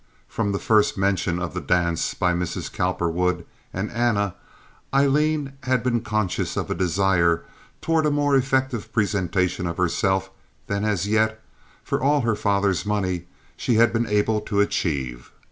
From the first mention of the dance by Mrs. Cowperwood and Anna, Aileen had been conscious of a desire toward a more effective presentation of herself than as yet, for all her father's money, she had been able to achieve.